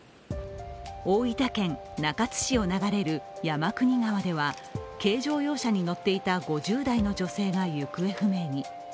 大分県中津市を流れる山国川では軽乗用車に乗っていた５０代の女性が行方不明に。